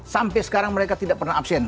sampai sekarang mereka tidak pernah absen